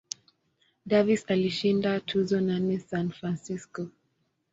Davis alishinda tuzo nane San Francisco.